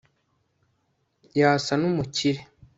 yasa n'umukire